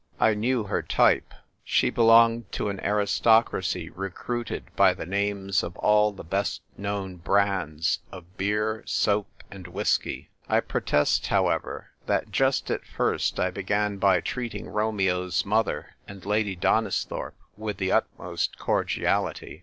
I knew her type : she belonged to an aristocracy recruited by the names of all the best known brands of beer, soap, and whis key. I protest, however, that just at first I began by treating Romeo's mother and Lady Donis thorpe with the utmost cordiality.